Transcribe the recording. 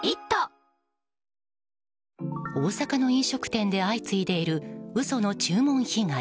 大阪の飲食店で相次いでいる嘘の注文被害。